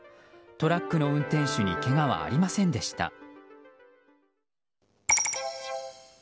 トラックの運転手にけがはありませんでした。